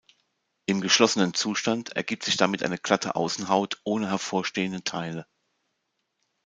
Im geschlossenen Zustand ergibt sich damit eine glatte Außenhaut ohne hervorstehende Teile.